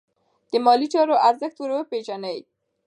د مالي چارو ارزښت ور وپیژنئ.